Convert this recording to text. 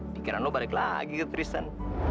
pikiran lo balik lagi ke kristen